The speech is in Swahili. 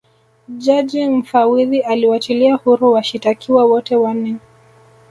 jaji mfawidhi aliwachilia huru washitakiwa wote wanne